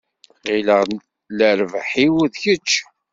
Ɣileɣ lerbaḥ-iw d kečč.